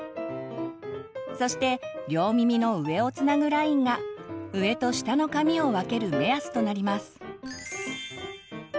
そして両耳の上をつなぐラインが上と下の髪を分ける目安となります。